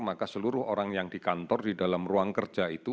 maka seluruh orang yang di kantor di dalam ruang kerja itu